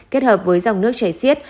kết hợp với dòng nước chảy xiết